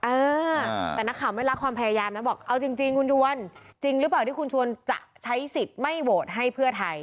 เออแต่นักข่าวไม่รักความพยายามนะบอกเอาจริงคุณชวนจริงหรือเปล่าที่คุณชวนจะใช้สิทธิ์ไม่โหวตให้เพื่อไทย